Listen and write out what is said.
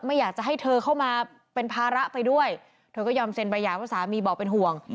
ไม่อยากจะให้เธอเข้ามาเป็นภาระไปด้วยเธอก็ยอมเซ็นใบอย่างว่าสามีบอกเป็นห่วง